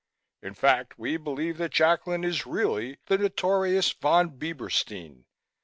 In fact, we believe that Jacklin is really the notorious Von Bieberstein.